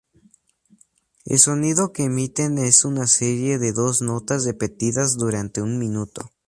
El sonido que emiten es una serie de dos notas repetidas durante un minuto.